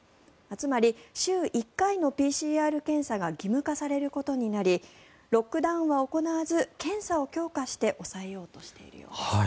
つまり、週１回のＰＣＲ検査が義務化されることになりロックダウンは行わず検査を強化して抑えようとしているようです。